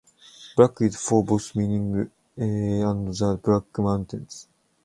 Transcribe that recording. Black is for both mining and the Black Mountains.